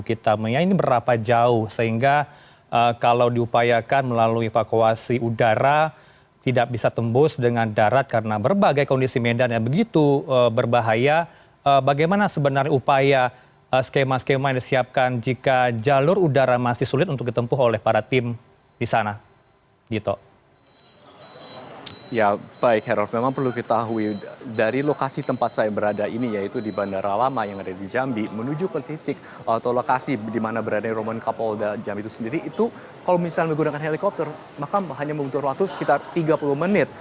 itu kalau misalnya menggunakan helikopter maka hanya membutuhkan waktu sekitar tiga puluh menit